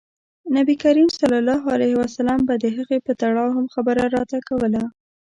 نبي کریم ص به د هغې په تړاو هم خبره راته کوله.